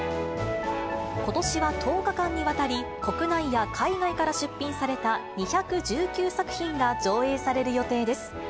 ことしは１０日間にわたり、国内や海外から出品された２１９作品が上映される予定です。